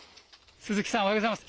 鈴木さん、おはようございます。